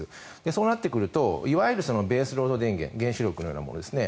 そうなってくるといわゆるベースロード電源原子力のようなものですね。